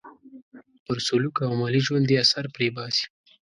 پر سلوک او عملي ژوند یې اثر پرې باسي.